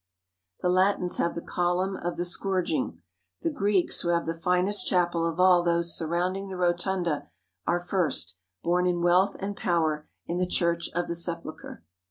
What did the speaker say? The Latins have the column of the scourg ing. The Greeks, who have the finest chapel of all those surrounding the rotunda, are first, both in wealth and power, in the Church of the Sepulchre.